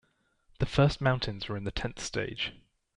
The first mountains were in the tenth stage.